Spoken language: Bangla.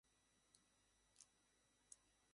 এর জন্য আমি হাজার হাজার আশীর্বাদ পাব।